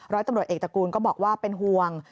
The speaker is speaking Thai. ร้อยตำรวจเอกตระกูลก็บอกว่าเป็นห่วง